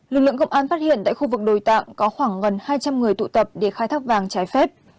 lực lượng công an phát hiện tại khu vực đồi tạng có khoảng gần hai trăm linh người tụ tập để khai thác vàng trái phép